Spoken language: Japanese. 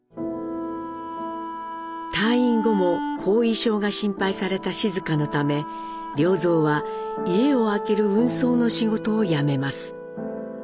退院後も後遺症が心配された静香のため良三は家を空ける運送の仕事を辞めます。